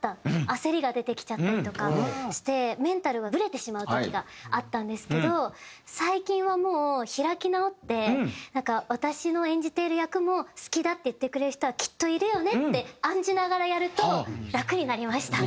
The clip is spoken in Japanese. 焦りが出てきちゃったりとかしてメンタルがブレてしまう時があったんですけど最近はもう開き直ってなんか「私の演じている役も好きだって言ってくれる人はきっといるよね」って案じながらやると楽になりました。